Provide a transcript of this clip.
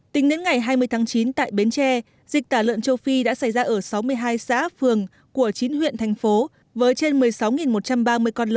tính đến ngày hai mươi tháng chín tại bến tre dịch tả lợn châu phi đã xảy ra ở sáu mươi hai xã phường của chín huyện thành phố với trên một mươi sáu một trăm ba mươi con lợn